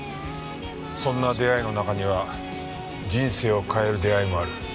そんな出会いの中には人生を変える出会いもある。